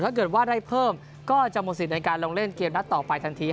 ถ้าเกิดว่าได้เพิ่มก็จะหมดสิทธิ์ในการลงเล่นเกมนัดต่อไปทันที